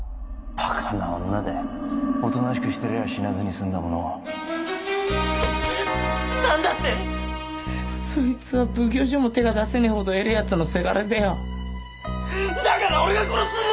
バカな女だおとなしくしてりゃ死なずに済んだものをなんだって⁉そいつは奉行所も手が出せねぇほど偉ぇヤツのせがれでよだから俺が殺すんだ！